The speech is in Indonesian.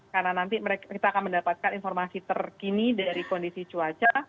karena nanti kita akan mendapatkan informasi terkini dari kondisi cuaca